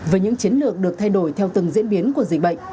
với những chiến lược được thay đổi theo từng diễn biến của dịch bệnh